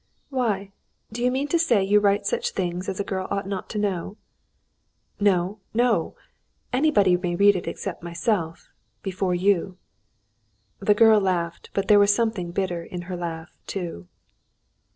"Why? Do you mean to say you write such things as a girl ought not to know?" "No, no! Anybody may read it except myself before you." The girl laughed, but there was something bitter in her laugh too.